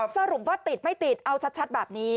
สรุปว่าติดไม่ติดเอาชัดแบบนี้